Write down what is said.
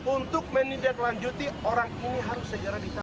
untuk menindaklanjuti orang ini harus segera ditangkap